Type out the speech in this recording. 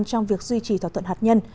trong việc duy trì thỏa thuận hạt nhân